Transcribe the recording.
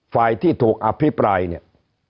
ฝ่ายที่ถูกอภิปรายเนี่ย